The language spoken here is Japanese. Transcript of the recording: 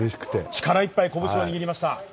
力いっぱい拳を握りました。